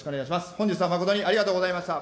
本日は誠にありがとうございました。